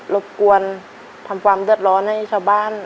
บกวนทำความเดือดร้อนให้ชาวบ้าน